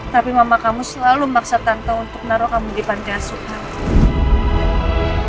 tapi mama kamu selalu maksa tante untuk naruh kamu di pantai asuknya